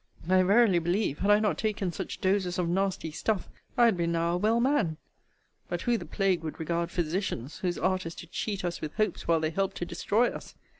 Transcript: I verily believe, had I not taken such doses of nasty stuff, I had been now a well man But who the plague would regard physicians, whose art is to cheat us with hopes while they help to destroy us?